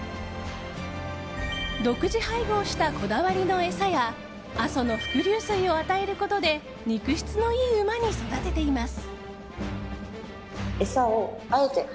独自配合したこだわりの餌や阿蘇の伏流水を与えることで肉質のいい馬に育てています。